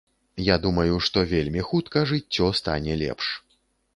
Я думаю, што вельмі хутка жыццё стане лепш.